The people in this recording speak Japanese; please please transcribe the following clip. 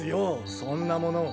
そんなもの。